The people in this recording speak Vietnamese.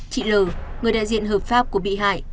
chị l người đại diện hợp pháp của bị hại